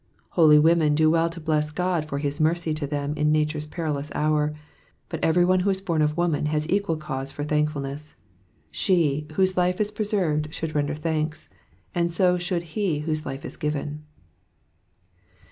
Holy women do well to bless God for his mercy to them in nature's perilous hour ; but eveiy one who is born of woman has etjual cause for thankfulness. She, whose life is preserved, should render timnks, and so should he whose life is given.